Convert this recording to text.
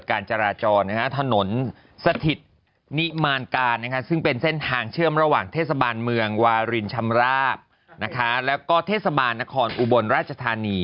กับอำเภอเมืองกันเลยทีเดียวนะฮะ